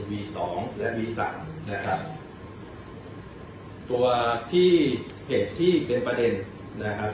วีสองและวีสามนะครับตัวที่เหตุที่เป็นประเด็นนะครับ